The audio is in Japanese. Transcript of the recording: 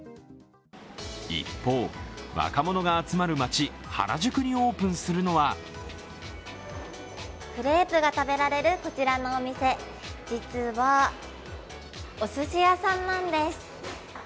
一方、若者が集まる街、原宿にオープンするのはクレープが食べられるこちらのお店、実はおすし屋さんなんです。